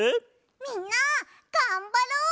みんながんばろう！